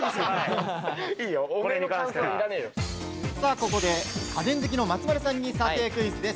ここで家電好きの松丸さんに査定クイズです。